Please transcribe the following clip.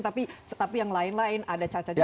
tapi yang lain lain ada cacatnya